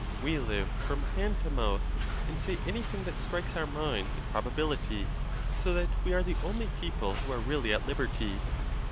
We live from hand to mouth, and say anything that strikes our mind with probability, so that we are the only people who are really at liberty.